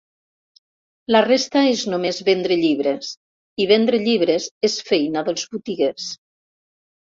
La resta és només vendre llibres, i vendre llibres és feina dels botiguers.